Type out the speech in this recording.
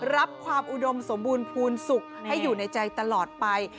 รับความอุดมสมบูรณ์ภูมิสุขให้อยู่ในใจตลอดไป